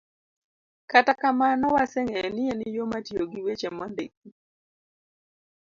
Kata kamano, waseng'eyo ni en yo matiyo gi weche mondiki.